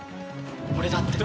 俺だって。